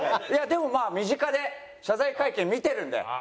でもまあ身近で謝罪会見見てるんで。